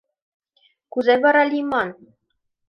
Кузе вара лийман?